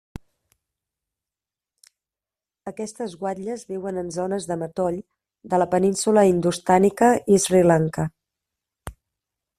Aquestes guatlles viuen en zones de matoll de la Península indostànica i Sri Lanka.